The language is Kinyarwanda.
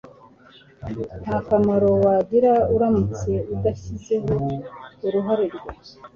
nta kamaro wagira aramutse adashyizeho uruhare rwe